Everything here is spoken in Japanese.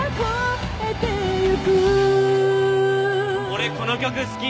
俺この曲好き！